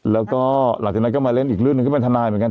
แล้วก็หลังจากนั้นก็มาเล่นอีกเรื่องหนึ่งก็เป็นทนายเหมือนกัน